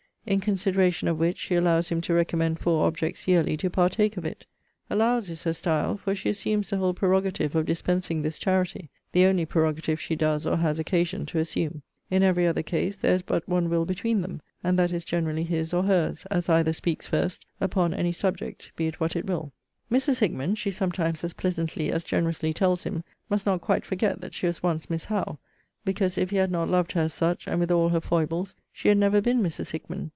In consideration of which she allows him to recommend four objects yearly to partake of it. Allows, is her style; for she assumes the whole prerogative of dispensing this charity; the only prerogative she does or has occasion to assume. In every other case, there is but one will between them; and that is generally his or her's, as either speaks first, upon any subject, be it what it will. MRS. HICKMAN, she sometimes as pleasantly as generously tells him, must not quite forget that she was once MISS HOWE, because if he had not loved her as such, and with all her foibles, she had never been MRS. HICKMAN.